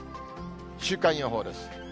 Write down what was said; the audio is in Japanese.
週間予報です。